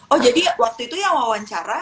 oh jadi waktu itu ya wawancara